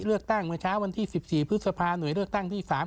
เลือกตั้งเมื่อเช้าวันที่๑๔พฤษภาหน่วยเลือกตั้งที่๓